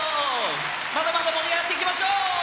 まだまだ盛り上がっていきましょう。